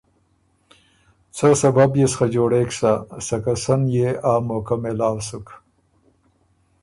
څۀ سبب يې سو خه جوړېک سۀ، سکه سن يې آ موقع مېلاؤ سُک۔